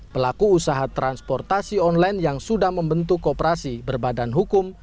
pelaku usaha transportasi online yang sudah membentuk kooperasi berbadan hukum